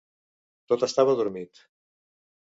Tot estava adormit.